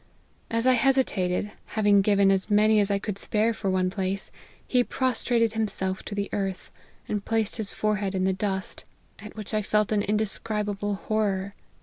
As I hesitated, having given as many as I could spare for one place, he prostrated himself to the earth, and placed his forehead in the dust ; at which I felt an indescribable horror.